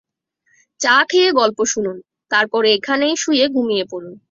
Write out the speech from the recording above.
চা খেয়ে গল্প শুনুন, তারপর এইখানেই শুয়ে ঘুমিয়ে পড়ুন।